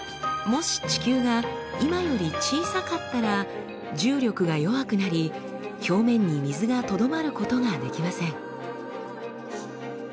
もし地球が今より小さかったら重力が弱くなり表面に水がとどまることができません。